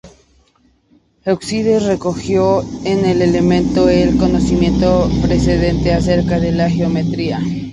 Euclides recogió, en los "Elementos", el conocimiento precedente acerca de la geometría.